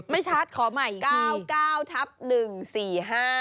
ไม่ชัดขอใหม่อีกที